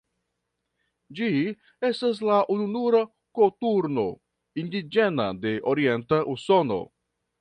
Ĝi estas la ununura koturno indiĝena de orienta Usono.